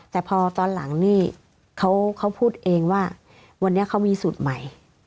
แต่พอตอนหลังนี่เขาพูดเองว่าวันนี้เขามีสูตรใหม่